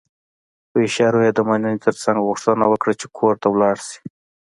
په اشارو يې د مننې ترڅنګ غوښتنه وکړه چې کور ته لاړ شي.